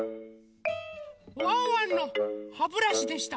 ワンワンのハブラシでした。